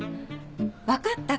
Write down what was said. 分かった？